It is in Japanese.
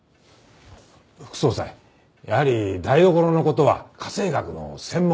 副総裁やはり台所の事は家政学の専門家に。